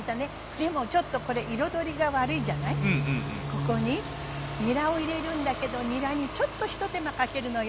ここににらを入れるんだけどにらにちょっと一手間かけるのよ。